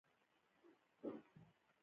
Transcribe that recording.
بید ونه ولې د اوبو تر څنګ وي؟